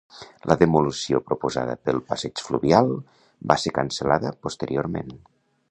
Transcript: La demolició proposada del passeig fluvial va ser cancel·lada posteriorment.